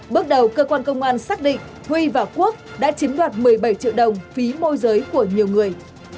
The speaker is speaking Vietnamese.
bước đầu cơ quan công an xác định huy và quốc đã chiếm đoạt một mươi bảy triệu đồng phí môi giới của nhiều người